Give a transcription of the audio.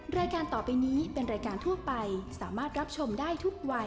รายการต่อไปนี้เป็นรายการทั่วไปสามารถรับชมได้ทุกวัย